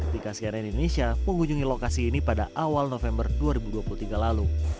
dika cnn indonesia mengunjungi lokasi ini pada awal november dua ribu dua puluh tiga lalu